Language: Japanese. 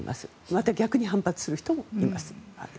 また逆に反発する人もいます。